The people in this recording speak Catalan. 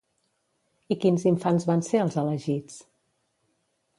I quins infants van ser els elegits?